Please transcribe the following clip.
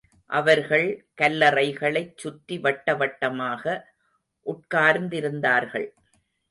அவர்கள் கல்லறைகளைச் சுற்றி வட்ட வட்டமாக உட்கார்ந்திருந்தார்கள்.